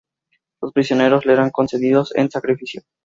Los prisioneros le eran concedidos en sacrificio.